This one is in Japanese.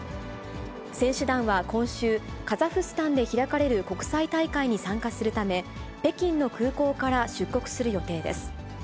選手団は今週、カザフスタンで開かれる国際大会に参加するため、北京の空港から出国する予定です。